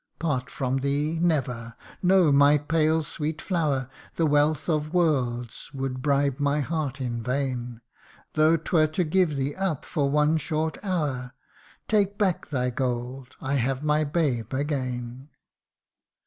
Part from thee ! never no, my pale sweet flower ! The wealth of worlds would bribe my heart in vain, Though 'twere to give thee up for one short hour Take back thy gold I have my babe again